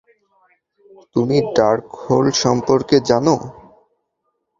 তুমি ডার্কহোল্ড সম্পর্কে জানো?